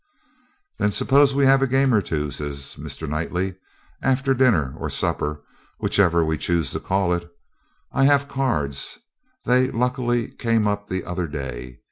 'Then suppose we have a game or two,' says Mr. Knightley, 'after dinner or supper, whichever we choose to call it. I have cards; they luckily came up the other day.